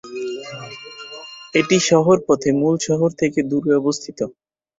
এটি সড়ক পথে মূল শহর থেকে দূরে অবস্থিত।